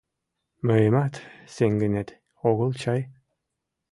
Мыйымат сеҥынет огыл чай?